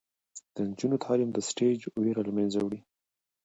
د نجونو تعلیم د سټیج ویره له منځه وړي.